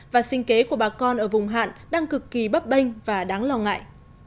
và sinh kế của bà con ở vùng hạn đang cực kỳ bắp bênh và đáng lo ngại